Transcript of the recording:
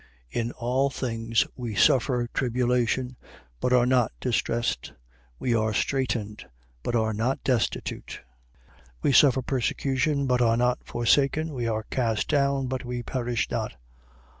4:8. In all things we suffer tribulation: but are not distressed. We are straitened: but are not destitute. 4:9. We suffer persecution: but are not forsaken. We are cast down: but we perish not.